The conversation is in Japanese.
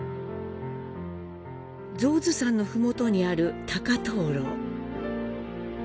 象頭山の麓にある高燈籠。